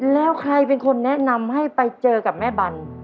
แล้วใครเป็นคนแนะนำให้ไปเจอกับแม่บัน